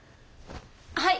はい！